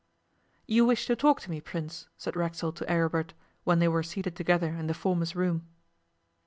'You wish to talk to me, Prince,' said Racksole to Aribert, when they were seated together in the former's room.